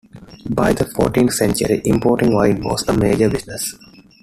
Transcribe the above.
By the fourteenth century, importing wine was a major business.